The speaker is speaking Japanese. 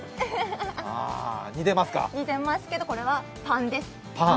似てますけどこれはパンです。